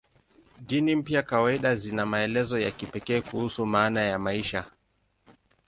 Dini mpya kawaida zina maelezo ya kipekee kuhusu maana ya maisha.